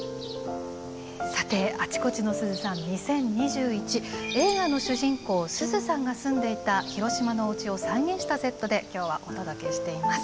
さて「あちこちのすずさん２０２１」映画の主人公すずさんが住んでいた広島のおうちを再現したセットで今日はお届けしています。